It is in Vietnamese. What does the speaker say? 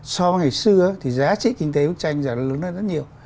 so với ngày xưa thì giá trị kinh tế bức tranh giờ nó lớn hơn rất nhiều